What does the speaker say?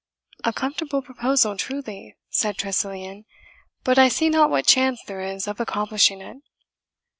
"A comfortable proposal truly," said Tressilian; "but I see not what chance there is of accomplishing it."